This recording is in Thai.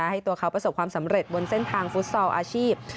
ให้ตัวเขาประสบความสำเร็จบนเส้นทางฟุตซอลอาชีพ